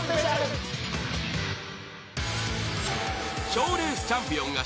［賞レースチャンピオンが集結］